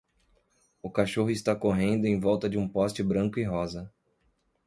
O cachorro está correndo em volta de um poste branco e rosa.